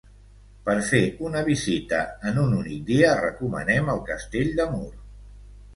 Per fer una visita en un únic dia recomanem el castell de Mur.